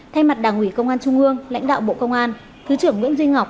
thay mặt đảng ủy công an trung ương lãnh đạo bộ công an thứ trưởng nguyễn duy ngọc